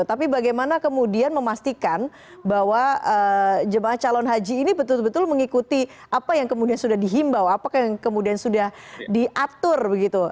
tapi bagaimana kemudian memastikan bahwa jemaah calon haji ini betul betul mengikuti apa yang kemudian sudah dihimbau apa yang kemudian sudah diatur begitu